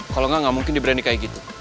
kalo gak gak mungkin dia berani kayak gitu